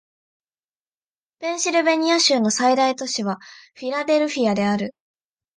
ペンシルベニア州の最大都市はフィラデルフィアである